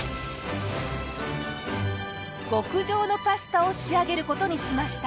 極上のパスタを仕上げる事にしました！